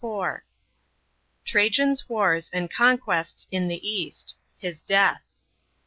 — TRAJAN'S WARS AND CONQUESTS IN THE EAST. His DEATH.